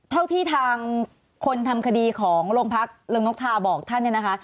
เท่าที่ทางคนทำคดีของโรงพักเริงนกทาบอกท่านเนี่ยนะคะ